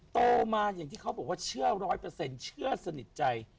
โตมาอย่างที่เขาบอกว่าเชื่อร้อยเปอร์เซ็นเชื่อสนิทใจ